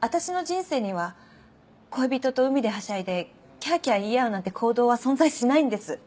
私の人生には恋人と海ではしゃいでキャキャ言い合うなんて行動は存在しないんです。